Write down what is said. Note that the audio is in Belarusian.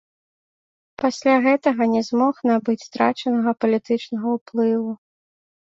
Пасля гэтага не змог набыць страчанага палітычнага ўплыву.